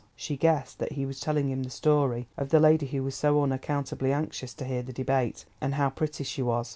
She guessed that he was telling him the story of the lady who was so unaccountably anxious to hear the debate, and how pretty she was.